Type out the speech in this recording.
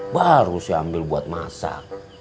baru saya ambil buat masak